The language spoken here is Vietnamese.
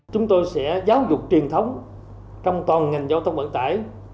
chúng tôi sẽ giáo dục truyền thống trong toàn ngành giao thông vận tải